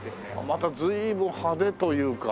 また随分派手というか。